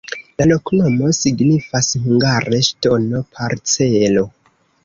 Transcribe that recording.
La loknomo signifas hungare ŝtono-parcelo.